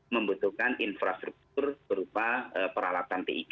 membutuhkan infrastruktur berupa peralatan tik